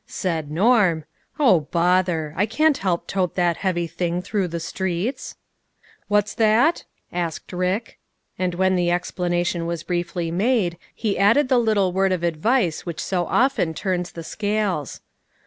Said Norm, " O bother 1 I can't help tote that heavy thing through the streets." 257 258 LITTLE riSHEES : AND THEIE NETS. "What's that?" asked Rick; and when the explanation was briefly made, he added the little word of advice which so often turns the scales.